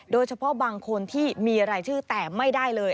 โดยเฉพาะบางคนที่มีรายชื่อแต่ไม่ได้เลย